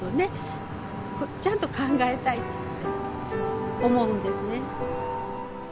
ちゃんと考えたいって思うんですね。